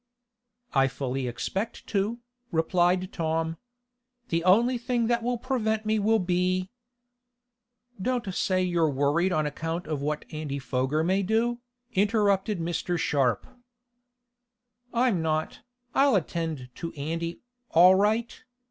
"I fully expect to," replied Tom. "The only thing that will prevent me will be " "Don't say you're worried on account of what Andy Foger may do," interrupted Mr. Sharp. "I'm not. I'll attend to Andy, all right.